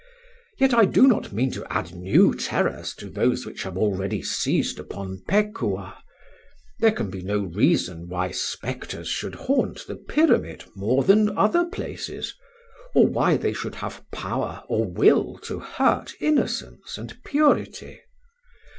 "Yet I do not mean to add new terrors to those which have already seized upon Pekuah. There can be no reason why spectres should haunt the Pyramid more than other places, or why they should have power or will to hurt innocence and purity.